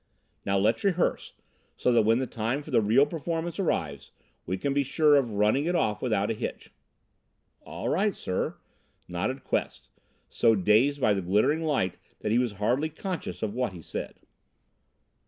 "Now let's rehearse, so that when the time for the real performance arrives we can be sure of running it off without a hitch." "All right, sir," nodded Quest, so dazed by the glittering light that he was hardly conscious of what he said.